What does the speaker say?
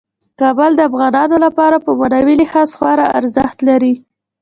کابل د افغانانو لپاره په معنوي لحاظ خورا ارزښت لري.